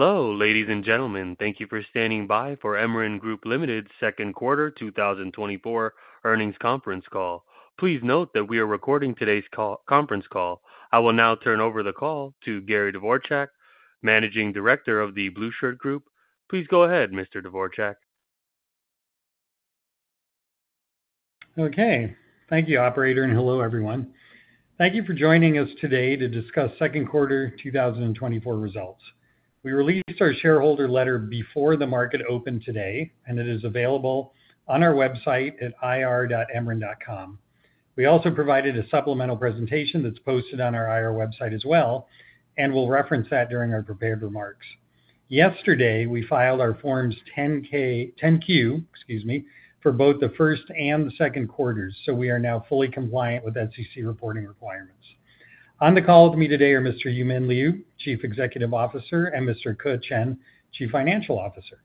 Hello, ladies and gentlemen. Thank you for standing by for Emeren Group Ltd's Second Quarter 2024 Earnings Conference call. Please note that we are recording today's call - conference call. I will now turn over the call to Gary Dvorchak, Managing Director of the Blue Shirt Group. Please go ahead, Mr. Dvorchak. Okay. Thank you, operator, and hello, everyone. Thank you for joining us today to discuss second quarter 2024 results. We released our shareholder letter before the market opened today, and it is available on our website at ir.emeren.com. We also provided a supplemental presentation that's posted on our IR website as well, and we'll reference that during our prepared remarks. Yesterday, we filed our Forms 10-K... 10-Q, excuse me, for both the first and the second quarters, so we are now fully compliant with SEC reporting requirements. On the call with me today are Mr. Yumin Liu, Chief Executive Officer, and Mr. Ke Chen, Chief Financial Officer.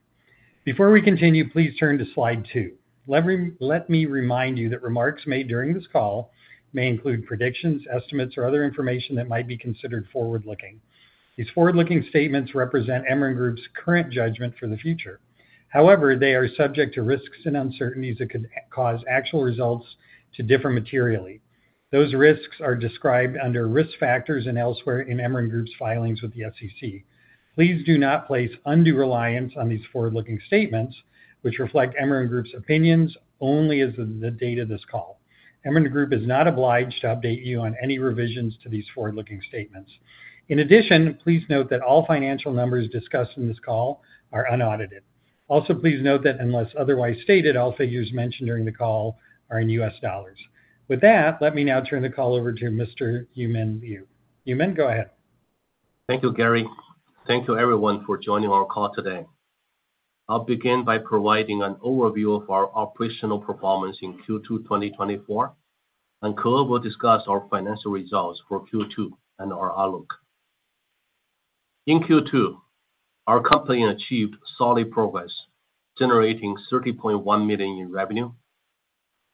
Before we continue, please turn to slide two. Let me, let me remind you that remarks made during this call may include predictions, estimates, or other information that might be considered forward-looking. These forward-looking statements represent Emeren Group's current judgment for the future. However, they are subject to risks and uncertainties that could cause actual results to differ materially. Those risks are described under Risk Factors and elsewhere in Emeren Group's filings with the SEC. Please do not place undue reliance on these forward-looking statements, which reflect Emeren Group's opinions only as of the date of this call. Emeren Group is not obliged to update you on any revisions to these forward-looking statements. In addition, please note that all financial numbers discussed in this call are unaudited. Also, please note that unless otherwise stated, all figures mentioned during the call are in US dollars. With that, let me now turn the call over to Mr. Yumin Liu. Yumin, go ahead. Thank you, Gary. Thank you, everyone, for joining our call today. I'll begin by providing an overview of our operational performance in Q2 2024, and Ke will discuss our financial results for Q2 and our outlook. In Q2, our company achieved solid progress, generating $30.1 million in revenue.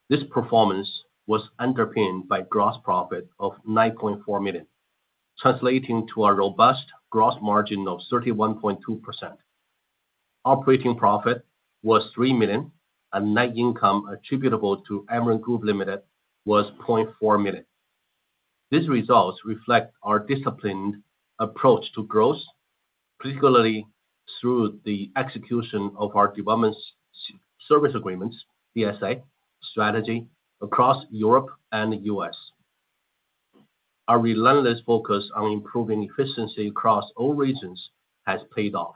This performance was underpinned by gross profit of $9.4 million, translating to a robust gross margin of 31.2%. Operating profit was $3 million, and net income attributable to Emeren Group Ltd was $0.4 million. These results reflect our disciplined approach to growth, particularly through the execution of our development service agreements, DSA, strategy across Europe and the U.S. Our relentless focus on improving efficiency across all regions has paid off,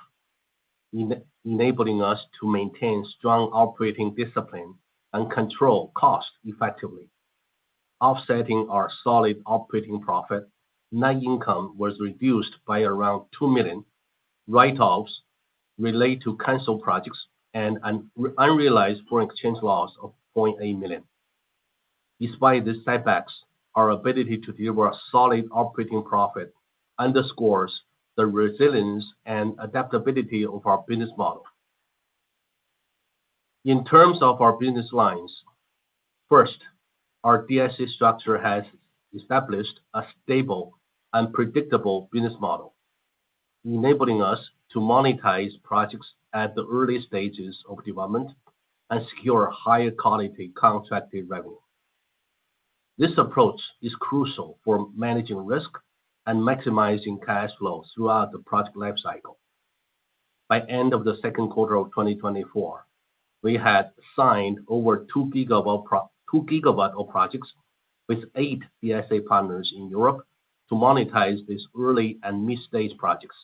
enabling us to maintain strong operating discipline and control costs effectively. Offsetting our solid operating profit, net income was reduced by around $2 million write-offs related to canceled projects, and unrealized foreign exchange loss of $0.8 million. Despite these setbacks, our ability to deliver a solid operating profit underscores the resilience and adaptability of our business model. In terms of our business lines, first, our DSA structure has established a stable and predictable business model, enabling us to monetize projects at the early stages of development and secure higher quality contracted revenue. This approach is crucial for managing risk and maximizing cash flow throughout the project lifecycle. By end of the second quarter of 2024, we had signed over 2 GWs of projects with eight DSA partners in Europe to monetize these early and mid-stage projects.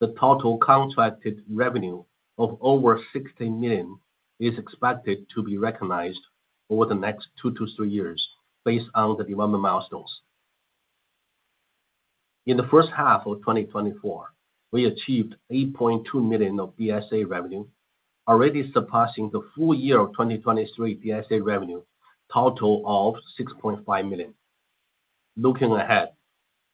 The total contracted revenue of over $16 million is expected to be recognized over the next two to three years based on the development milestones. In the first half of 2024, we achieved $8.2 million of DSA revenue, already surpassing the full year of 2023 DSA revenue total of $6.5 million. Looking ahead,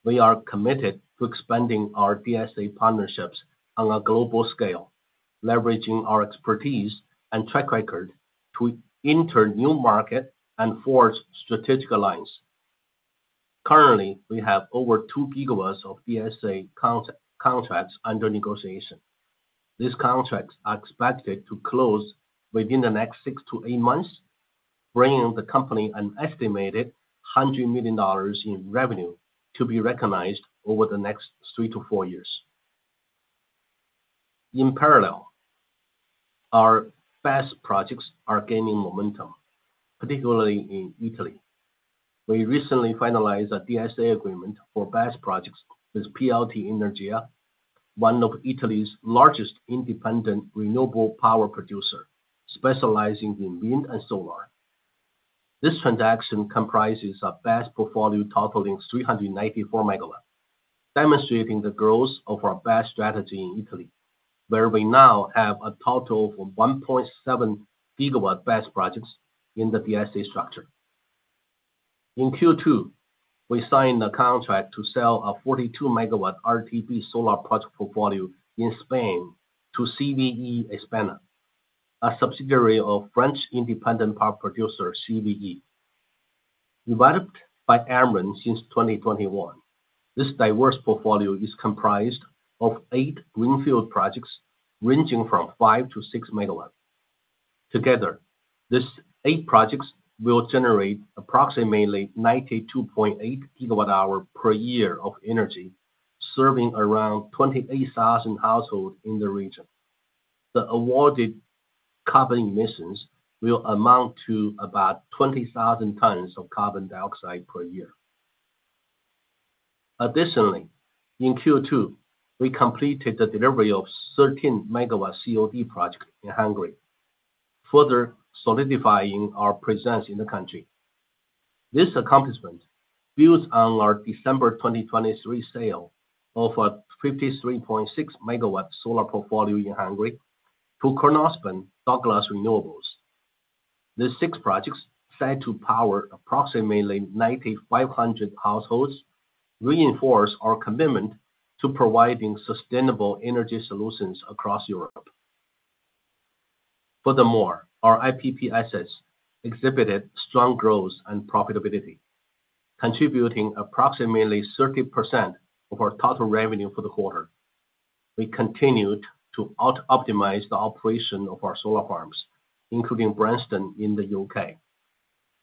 we are committed to expanding our DSA partnerships on a global scale, leveraging our expertise and track record to enter new market and forge strategic alliance. Currently, we have over 2 GW of DSA contracts under negotiation. These contracts are expected to close within the next six to eight months, bringing the company an estimated $100 million in revenue to be recognized over the next three to four years. In parallel, our BESS projects are gaining momentum, particularly in Italy. We recently finalized a DSA agreement for BESS projects with PLT Energia, one of Italy's largest independent renewable power producers, specializing in wind and solar. This transaction comprises a BESS portfolio totaling 394 MW, demonstrating the growth of our BESS strategy in Italy, where we now have a total of 1.7 GW BESS projects in the DSA structure. In Q2, we signed a contract to sell a 42-MW RTB solar project portfolio in Spain to CVE España, a subsidiary of French independent power producer CVE, developed by Emeren since 2021. This diverse portfolio is comprised of eight greenfield projects ranging from five to six megawatts. Together, these eight projects will generate approximately 92.8 GWh per year of energy, serving around 28,000 households in the region. The avoided carbon emissions will amount to about 20,000 tons of carbon dioxide per year. Additionally, in Q2, we completed the delivery of 13 MW COD project in Hungary, further solidifying our presence in the country. This accomplishment builds on our December 2023 sale of a 53.6 MW solar portfolio in Hungary to Cornerstone Douglas Renewables. These six projects, set to power approximately 9,500 households, reinforce our commitment to providing sustainable energy solutions across Europe. Furthermore, our IPP assets exhibited strong growth and profitability, contributing approximately 30% of our total revenue for the quarter. We continued to out-optimize the operation of our solar farms, including Branston in the U.K.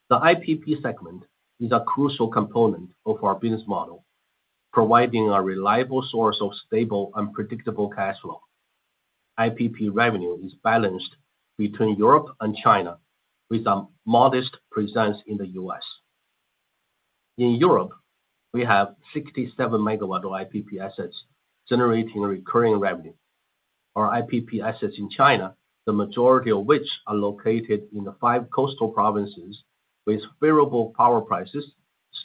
The IPP segment is a crucial component of our business model, providing a reliable source of stable and predictable cash flow. IPP revenue is balanced between Europe and China, with a modest presence in the U.S. In Europe, we have 67 MW of IPP assets generating recurring revenue. Our IPP assets in China, the majority of which are located in the five coastal provinces with favorable power prices,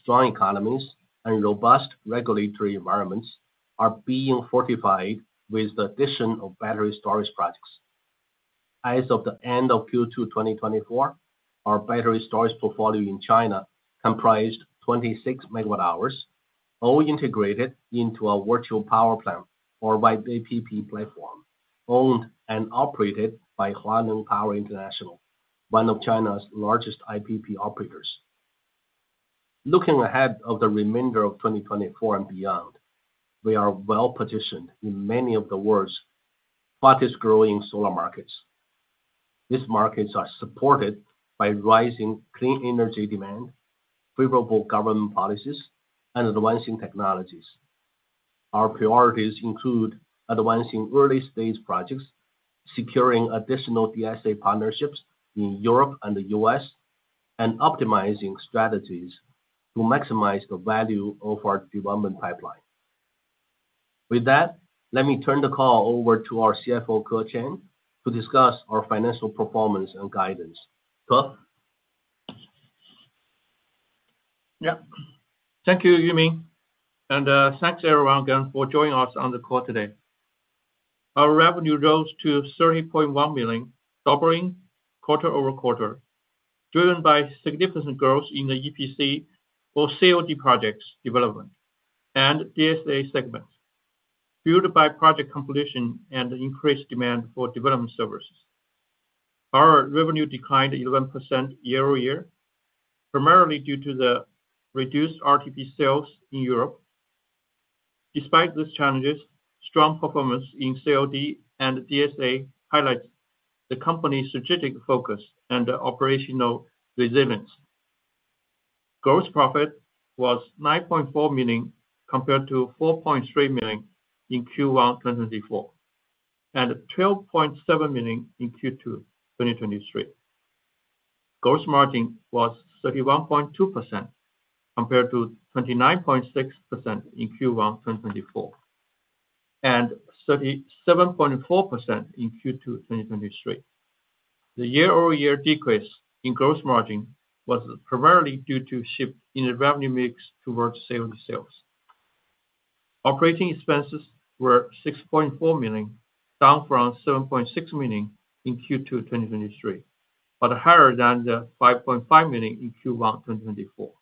strong economies, and robust regulatory environments, are being fortified with the addition of battery storage projects. As of the end of Q2 2024, our battery storage portfolio in China comprised 26 megawatt hours, all integrated into a virtual power plant, or VPP platform, owned and operated by Huaneng Power International, one of China's largest IPP operators. Looking ahead of the remainder of 2024 and beyond, we are well positioned in many of the world's fastest growing solar markets. These markets are supported by rising clean energy demand, favorable government policies, and advancing technologies. Our priorities include advancing early-stage projects, securing additional DSA partnerships in Europe and the U.S., and optimizing strategies to maximize the value of our development pipeline. With that, let me turn the call over to our CFO, Ke Chen, to discuss our financial performance and guidance. Ke? Yeah. Thank you, Yumin, and thanks everyone again for joining us on the call today. Our revenue rose to $30.1 million, doubling quarter over quarter, driven by significant growth in the EPC or COD projects development and DSA segments, fueled by project completion and increased demand for development services. Our revenue declined 11% year over year, primarily due to the reduced RTB sales in Europe. Despite these challenges, strong performance in COD and DSA highlights the company's strategic focus and operational resilience. Gross profit was $9.4 million, compared to $4.3 million in Q1 2024, and $12.7 million in Q2 2023. Gross margin was 31.2%, compared to 29.6% in Q1 2024, and 37.4% in Q2 2023. The year-over-year decrease in gross margin was primarily due to shift in the revenue mix towards sales. Operating expenses were $6.4 million, down from $7.6 million in Q2 2023, but higher than the $5.5 million in Q1 2024,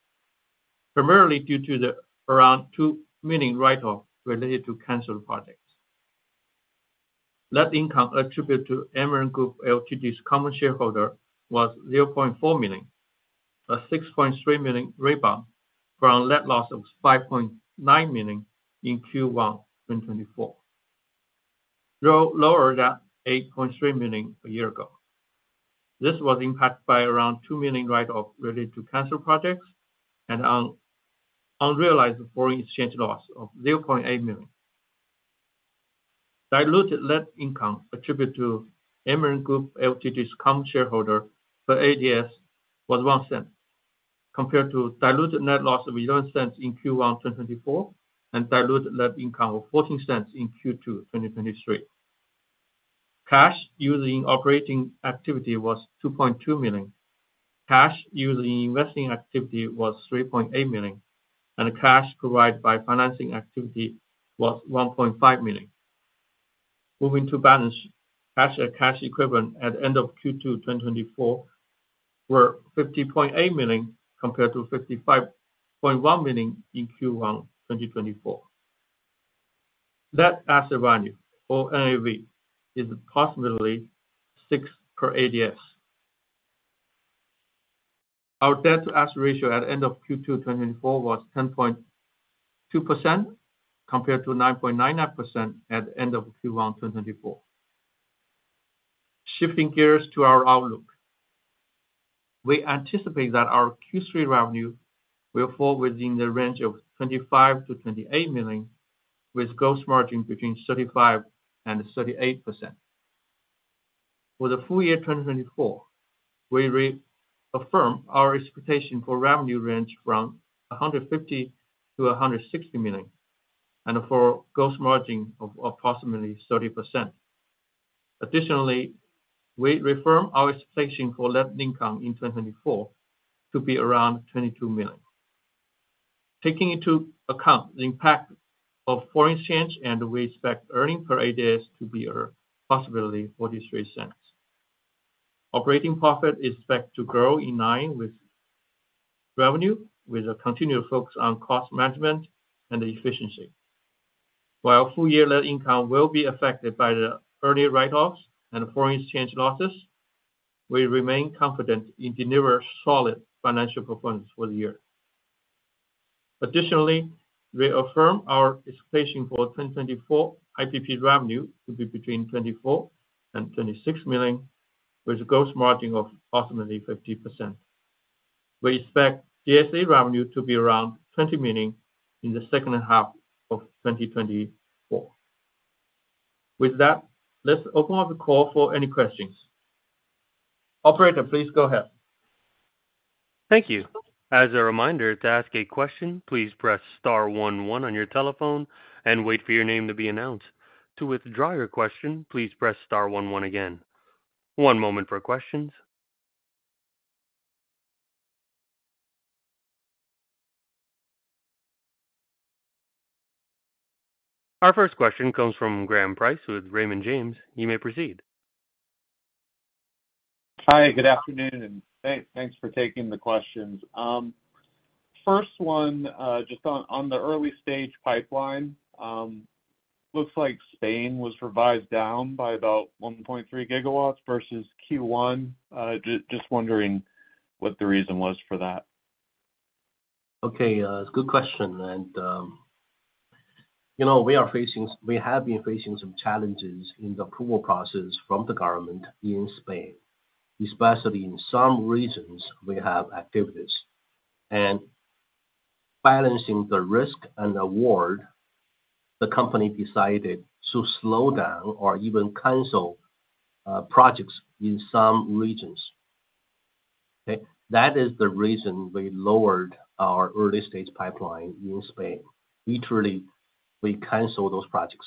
primarily due to the around $2 million write-off related to canceled projects. Net income attributed to Emeren Group Ltd's common shareholder was $0.4 million, a $6.3 million rebound from a net loss of $5.9 million in Q1 2024, though lower than $8.3 million a year ago. This was impacted by around $2 million write-off related to canceled projects and unrealized foreign exchange loss of $0.8 million. Diluted net income attributed to Emeren Group Ltd's common shareholder for ADS was $0.01, compared to diluted net loss of $0.11 in Q1 2024, and diluted net income of $0.14 in Q2 2023. Cash used in operating activities was $2.2 million. Cash used in investing activities was $3.8 million, and cash provided by financing activities was $1.5 million. Moving to balance, cash and cash equivalents at end of Q2 2024 were $50.8 million, compared to $55.1 million in Q1 2024. Net asset value or NAV is approximately $6 per ADS. Our debt to asset ratio at end of Q2 2024 was 10.2%, compared to 9.99% at the end of Q1 2024. Shifting gears to our outlook. We anticipate that our Q3 revenue will fall within the range of $25-$28 million, with gross margin between 35%-38%. For the full year2024, we re-affirm our expectation for revenue range from $150-$160 million, and for gross margin of approximately 30%. Additionally, we reaffirm our expectation for net income in 2024 to be around $22 million. Taking into account the impact of foreign exchange, and we expect earnings per ADS to be approximately $0.43. Operating profit is expected to grow in line with revenue, with a continued focus on cost management and efficiency. While full year net income will be affected by the early write-offs and foreign exchange losses, we remain confident in delivering solid financial performance for the year. Additionally, we affirm our expectation for 2024 IPP revenue to be between $24 million and $26 million, with a gross margin of approximately 50%. We expect DSA revenue to be around $20 million in the second half of 2024. With that, let's open up the call for any questions. Operator, please go ahead. Thank you. As a reminder, to ask a question, please press star one one on your telephone and wait for your name to be announced. To withdraw your question, please press star one one again. One moment for questions. Our first question comes from Graham Price with Raymond James. You may proceed. Hi, good afternoon, and thanks for taking the questions. First one, just on the early stage pipeline, looks like Spain was revised down by about 1.3 GW versus Q1. Just wondering what the reason was for that? Okay, good question. And, you know, we have been facing some challenges in the approval process from the government in Spain, especially in some regions we have activities. And balancing the risk and reward, the company decided to slow down or even cancel projects in some regions. Okay, that is the reason we lowered our early-stage pipeline in Spain. Literally, we canceled those projects.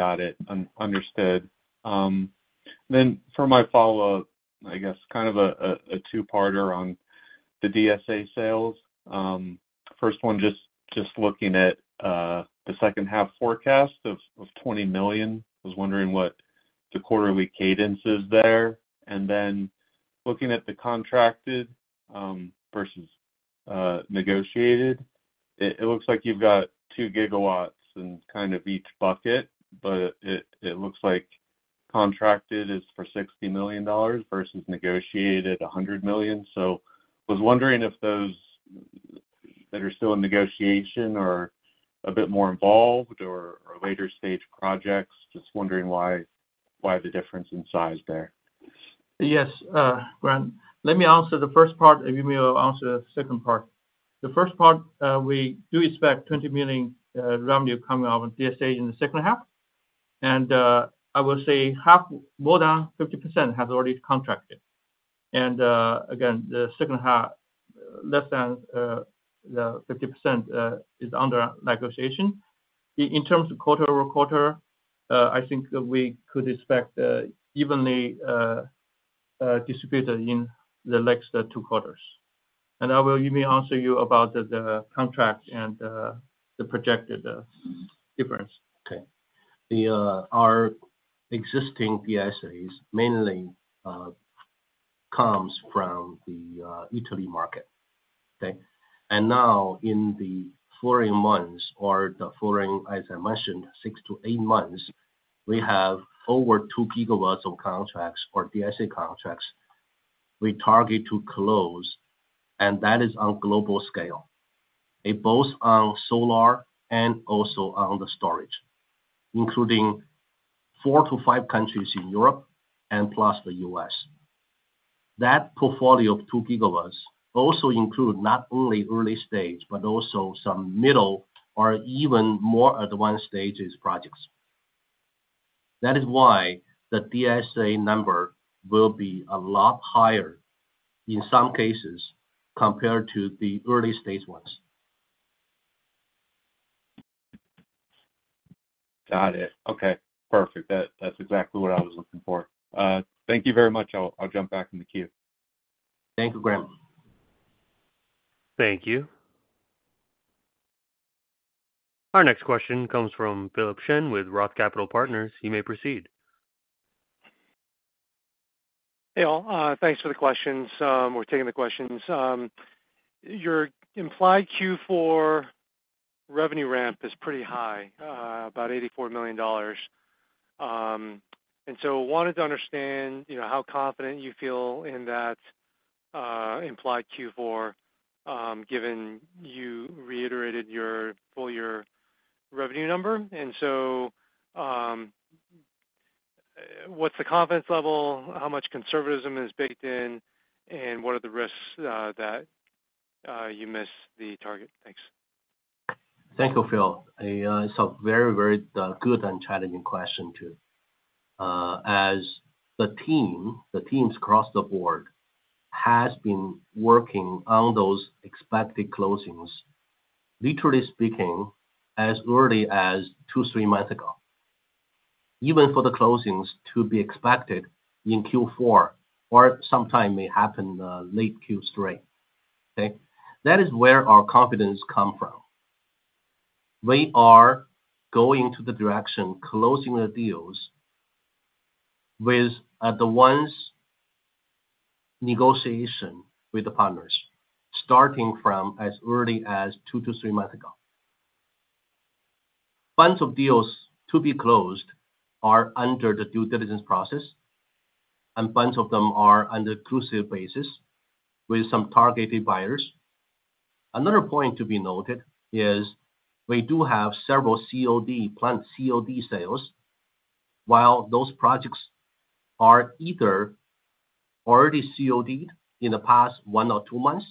Got it. Understood. Then for my follow-up, I guess kind of a two-parter on the DSA sales. First one, just looking at the second half forecast of $20 million. I was wondering what the quarterly cadence is there? And then looking at the contracted versus negotiated, it looks like you've got 2 GW in kind of each bucket, but it looks like contracted is for $60 million versus negotiated, $100 million. So I was wondering if those that are still in negotiation are a bit more involved or later stage projects. Just wondering why the difference in size there? Yes, Graham, let me answer the first part, and Yumin will answer the second part. The first part, we do expect $20 million revenue coming out with DSA in the second half. And I will say half, more than 50% has already contracted. And again, the second half, less than 50%, is under negotiation. In terms of quarter over quarter, I think we could expect evenly distributed in the next two quarters. And I will Yumin answer you about the contract and the projected difference. Okay. Our existing DSAs mainly comes from the Italy market. Okay? And now, in the following months or the following, as I mentioned, six to eight months, we have over 2 GW of contracts or DSA contracts we target to close, and that is on global scale. And both on solar and also on the storage, including four to five countries in Europe and plus the US. That portfolio of 2 GW also include not only early stage, but also some middle or even more advanced stages projects. That is why the DSA number will be a lot higher in some cases compared to the early stage ones. Got it. Okay, perfect. That, that's exactly what I was looking for. Thank you very much. I'll jump back in the queue. Thank you, Graham. Thank you. Our next question comes from Philip Shen with Roth Capital Partners. You may proceed.... Hey, all, thanks for the questions. We're taking the questions. Your implied Q4 revenue ramp is pretty high, about $84 million. And so wanted to understand, you know, how confident you feel in that implied Q4, given you reiterated your full year revenue number. And so, what's the confidence level? How much conservatism is baked in, and what are the risks that you miss the target? Thanks. Thank you, Phil. It's a very, very good and challenging question, too. As the team, the teams across the board has been working on those expected closings, literally speaking, as early as two, three months ago, even for the closings to be expected in Q4 or sometime may happen, late Q3. Okay? That is where our confidence come from. We are going to the direction, closing the deals with, the ones negotiation with the partners, starting from as early as two to three months ago. Bunch of deals to be closed are under the due diligence process, and bunch of them are under exclusive basis with some targeted buyers. Another point to be noted is we do have several COD, planned COD sales, while those projects are either already COD-ed in the past one or two months,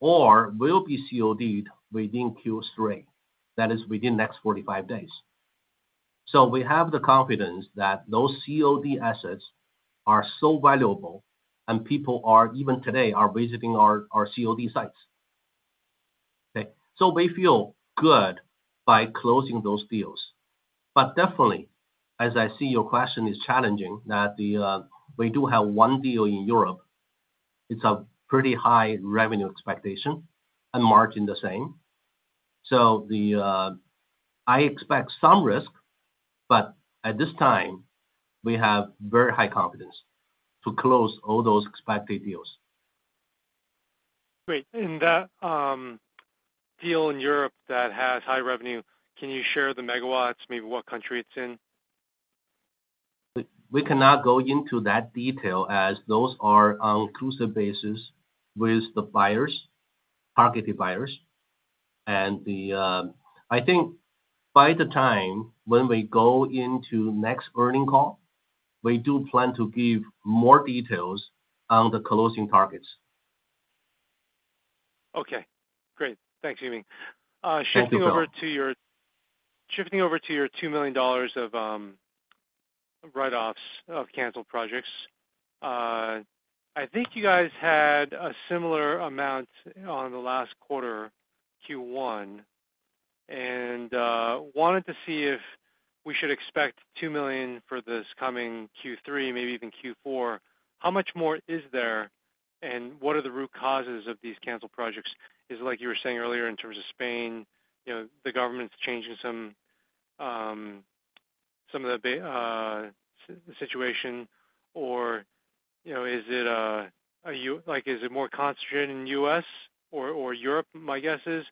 or will be COD-ed within Q3. That is within the next forty-five days, so we have the confidence that those COD assets are so valuable and people are, even today, visiting our COD sites. Okay, so we feel good by closing those deals, but definitely, as I see your question is challenging, that we do have one deal in Europe. It's a pretty high revenue expectation and margin the same, so I expect some risk, but at this time, we have very high confidence to close all those expected deals. Great. In that deal in Europe that has high revenue, can you share the megawatts, maybe what country it's in? We cannot go into that detail as those are on exclusive basis with the buyers, targeted buyers. And then, I think by the time when we go into next earnings call, we do plan to give more details on the closing targets. Okay, great. Thanks, Yumin. Thank you, Phil. Shifting over to your $2 million of write-offs of canceled projects. I think you guys had a similar amount on the last quarter, Q1, and wanted to see if we should expect $2 million for this coming Q3, maybe even Q4. How much more is there, and what are the root causes of these canceled projects? Is it like you were saying earlier, in terms of Spain, you know, the government's changing some of the situation, or, you know, is it more concentrated in U.S. or Europe, my guess is?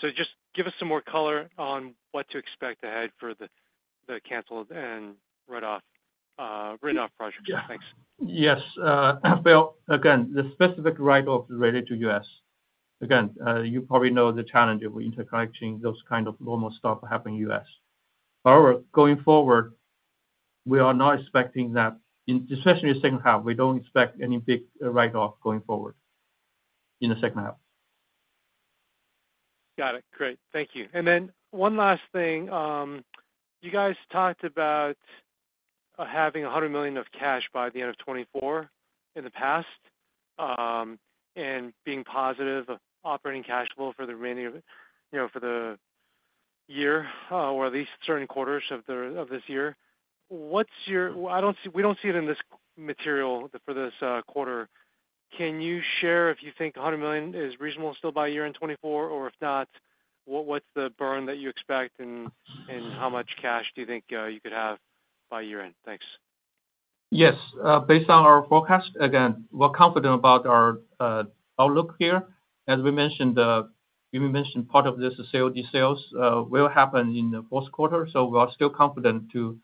So just give us some more color on what to expect ahead for the canceled and write-off projects. Yeah. Thanks. Yes, Phil, again, the specific write-off related to U.S. Again, you probably know the challenge of interconnecting those kind of normal stuff happening in U.S. However, going forward, we are not expecting that, in especially the second half, we don't expect any big write-off going forward in the second half. Got it. Great. Thank you. And then one last thing. You guys talked about having $100 million in cash by the end of 2024 in the past, and being positive of operating cash flow for the remaining of, you know, for the year, or at least certain quarters of this year. What's your... I don't see, we don't see it in this material for this quarter. Can you share if you think $100 million is reasonable still by year-end 2024? Or if not, what's the burn that you expect, and how much cash do you think you could have by year-end? Thanks. Yes. Based on our forecast, again, we're confident about our outlook here. As we mentioned, you mentioned part of this COD sales will happen in the fourth quarter, so we are still confident to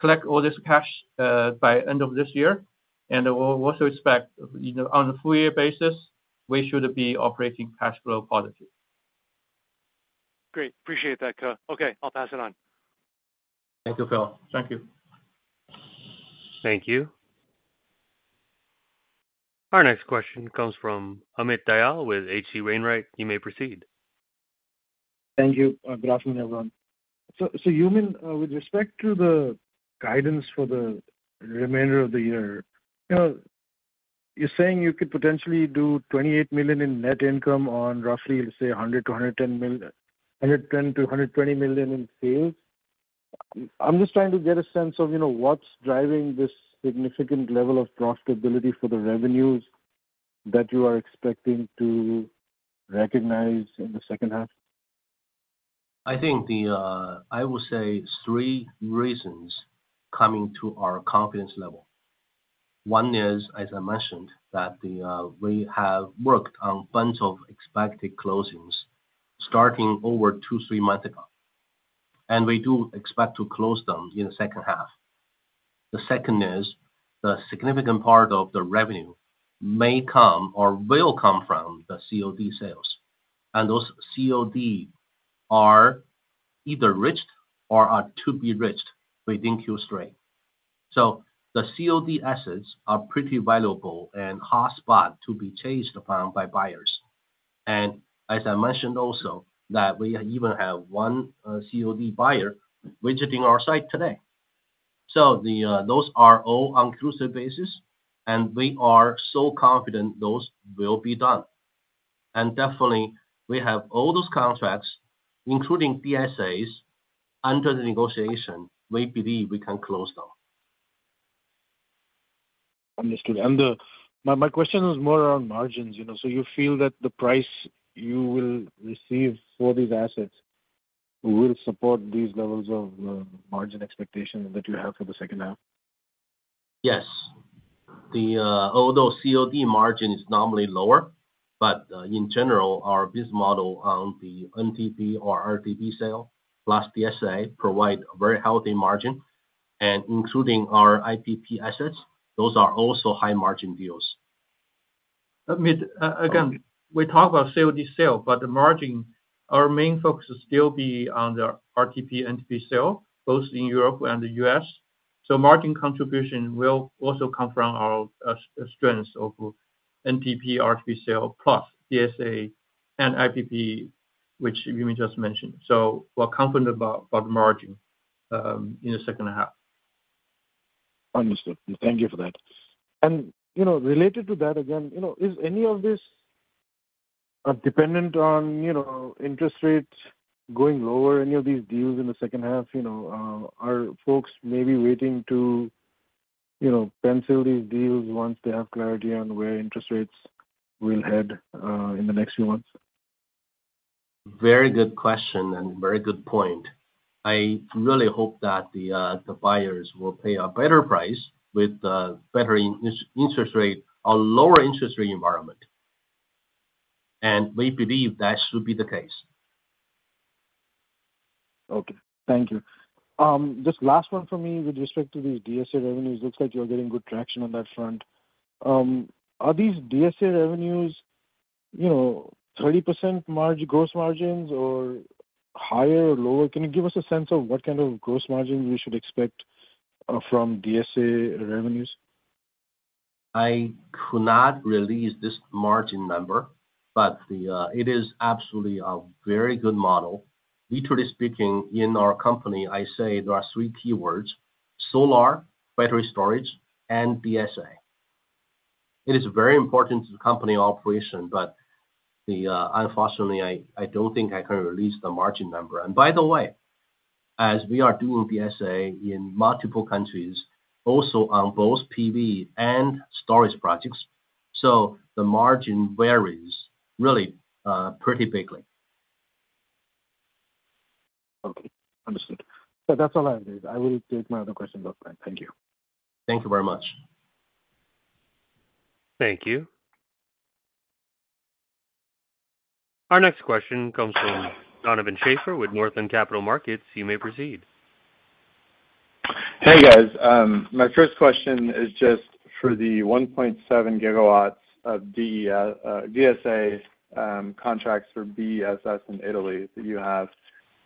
collect all this cash by end of this year. And we'll also expect, you know, on a full year basis, we should be operating cash flow positive. Great. Appreciate that, Ke. Okay, I'll pass it on. Thank you, Phil. Thank you. Thank you. Our next question comes from Amit Dayal with H.C. Wainwright. You may proceed. Thank you. Good afternoon, everyone. So, Yumin, with respect to the guidance for the remainder of the year, you know, you're saying you could potentially do $28 million in net income on roughly, say, $100-$110 million – $110-$120 million in sales. I'm just trying to get a sense of, you know, what's driving this significant level of profitability for the revenues that you are expecting to recognize in the second half?... I think the I would say three reasons coming to our confidence level. One is, as I mentioned, that we have worked on bunch of expected closings starting over two, three months ago, and we do expect to close them in the second half. The second is, the significant part of the revenue may come or will come from the COD sales, and those COD are either reached or are to be reached within Q3. So the COD assets are pretty valuable and hotspot to be chased upon by buyers. And as I mentioned also, that we even have one COD buyer visiting our site today. So those are all on exclusive basis, and we are so confident those will be done. And definitely, we have all those contracts, including DSAs, under the negotiation, we believe we can close now. Understood. And, my question was more around margins, you know. So you feel that the price you will receive for these assets will support these levels of, margin expectation that you have for the second half? Yes. Although COD margin is normally lower, but in general, our biz model on the NTP or RTP sale, plus DSA, provide a very healthy margin. And including our IPP assets, those are also high-margin deals. And again, we talk about COD sale, but the margin, our main focus will still be on the RTP, NTP sale, both in Europe and the US. So margin contribution will also come from our strength of NTP, RTP sale, plus DSA and IPP, which Yumin just mentioned. So we're confident about margin in the second half. Understood. Thank you for that. And, you know, related to that again, you know, is any of this dependent on, you know, interest rates going lower, any of these deals in the second half, you know, are folks maybe waiting to, you know, pencil these deals once they have clarity on where interest rates will head in the next few months? Very good question and very good point. I really hope that the buyers will pay a better price with better interest rate or lower interest rate environment. And we believe that should be the case. Okay, thank you. Just last one for me with respect to these DSA revenues. Looks like you're getting good traction on that front. Are these DSA revenues, you know, 30% gross margins or higher or lower? Can you give us a sense of what kind of gross margin we should expect from DSA revenues? I could not release this margin number, but the, it is absolutely a very good model. Literally speaking, in our company, I say there are three keywords: solar, battery storage, and DSA. It is very important to the company operation, but the, unfortunately, I don't think I can release the margin number. And by the way, as we are doing DSA in multiple countries, also on both PV and storage projects, so the margin varies really, pretty bigly. Okay, understood. So that's all I have. I will take my other questions offline. Thank you. Thank you very much. Thank you. Our next question comes from Donovan Schafer with Northland Capital Markets. You may proceed. Hey, guys. My first question is just for the 1.7 GW of the DSA contracts for BESS in Italy that you have.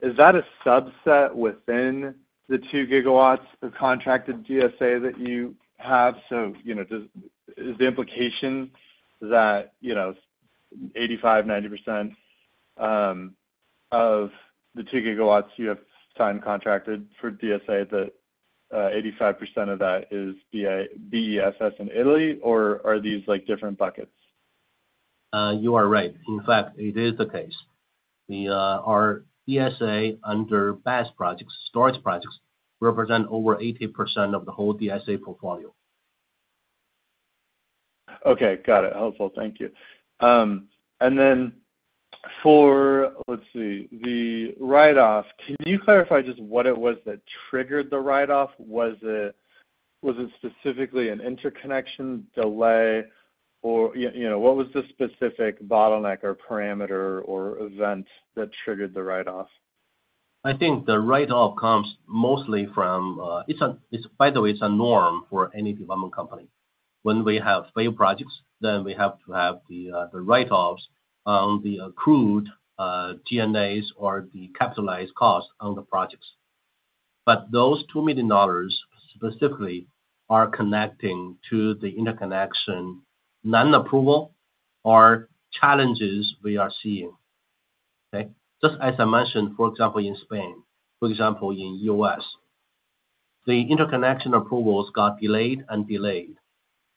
Is that a subset within the 2 GW of contracted DSA that you have? So, you know, does the implication that, you know, 85%-90% of the 2 GW you have signed contracted for DSA, that 85% of that is BESS in Italy, or are these, like, different buckets? You are right. In fact, it is the case. Our DSA under BESS projects, storage projects, represent over 80% of the whole DSA portfolio. Okay, got it. Helpful. Thank you. And then for, let's see, the write-off, can you clarify just what it was that triggered the write-off? Was it specifically an interconnection delay or, you know, what was the specific bottleneck or parameter or event that triggered the write-off? I think the write-off comes mostly from, it's, by the way, it's a norm for any development company. When we have failed projects, then we have to have the write-offs on the accrued GNAs or the capitalized cost on the projects. But those $2 million specifically are connecting to the interconnection non-approval or challenges we are seeing. Okay? Just as I mentioned, for example, in Spain, for example, in U.S., the interconnection approvals got delayed and delayed.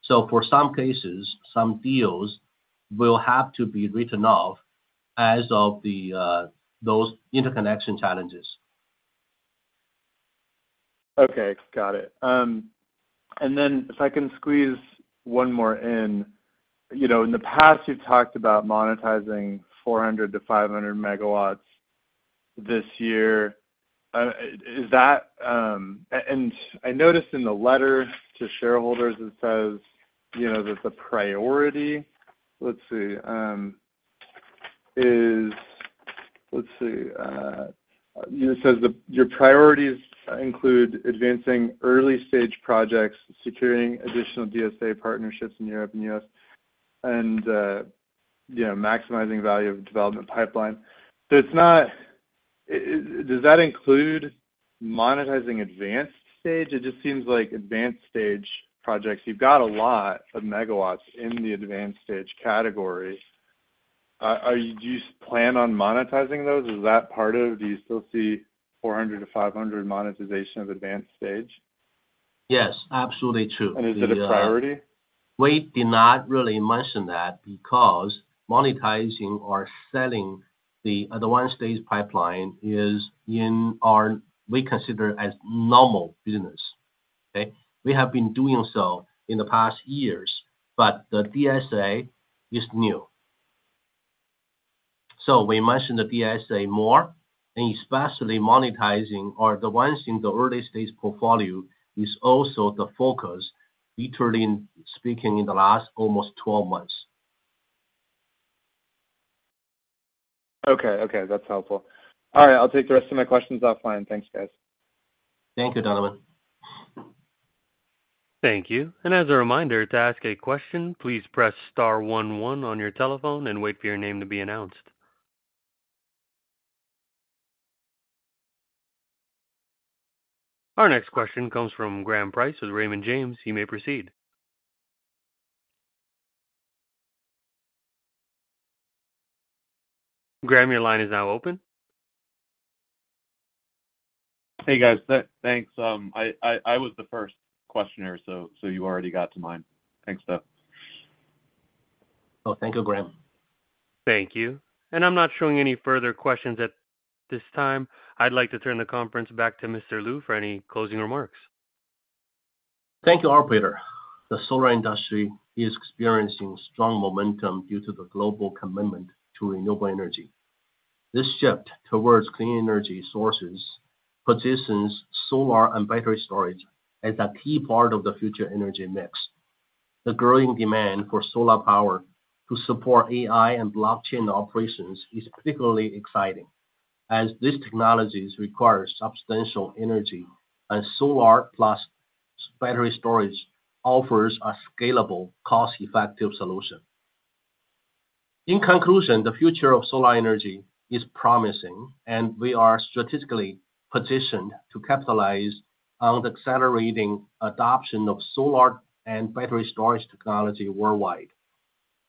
So for some cases, some deals will have to be written off as of those interconnection challenges.... Okay, got it. And then if I can squeeze one more in. You know, in the past, you've talked about monetizing 400-500 megawatts this year. Is that... And I noticed in the letter to shareholders, it says, you know, that the priority, let's see, is, let's see, it says the, "Your priorities include advancing early-stage projects, securing additional DSA partnerships in Europe and U.S., and, you know, maximizing value of development pipeline." So it's not. Is, does that include monetizing advanced stage? It just seems like advanced-stage projects, you've got a lot of megawatts in the advanced-stage category. Are, do you plan on monetizing those? Is that part of, do you still see 400-500 monetization of advanced stage? Yes, absolutely true. Is it a priority? We did not really mention that because monetizing or selling the advanced-stage pipeline is in our, we consider as normal business, okay? We have been doing so in the past years, but the DSA is new. So we mentioned the DSA more, and especially monetizing or the ones in the early-stage portfolio, is also the focus, literally in, speaking in the last almost twelve months. Okay, okay, that's helpful. All right, I'll take the rest of my questions offline. Thanks, guys. Thank you, Donovan. Thank you. And as a reminder, to ask a question, please press star one one on your telephone and wait for your name to be announced. Our next question comes from Graham Price with Raymond James. You may proceed. Graham, your line is now open. Hey, guys, thanks. I was the first questioner, so you already got to mine. Thanks, though. Oh, thank you, Graham. Thank you. And I'm not showing any further questions at this time. I'd like to turn the conference back to Mr. Liu for any closing remarks. Thank you, operator. The solar industry is experiencing strong momentum due to the global commitment to renewable energy. This shift towards clean energy sources positions solar and battery storage as a key part of the future energy mix. The growing demand for solar power to support AI and blockchain operations is particularly exciting, as these technologies require substantial energy, and solar plus battery storage offers a scalable, cost-effective solution. In conclusion, the future of solar energy is promising, and we are strategically positioned to capitalize on the accelerating adoption of solar and battery storage technology worldwide.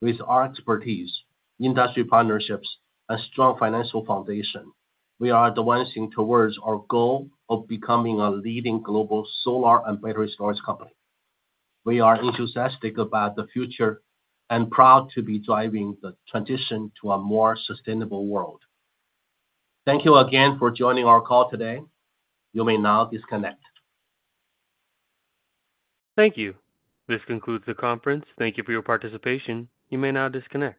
With our expertise, industry partnerships, and strong financial foundation, we are advancing towards our goal of becoming a leading global solar and battery storage company. We are enthusiastic about the future and proud to be driving the transition to a more sustainable world. Thank you again for joining our call today. You may now disconnect. Thank you. This concludes the conference. Thank you for your participation. You may now disconnect.